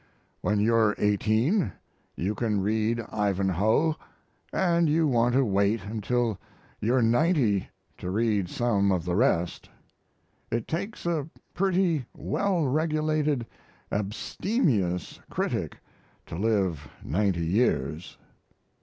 When you're eighteen you can read Ivanhoe, and you want to wait until you're ninety to read some of the rest. It takes a pretty well regulated abstemious critic to live ninety years.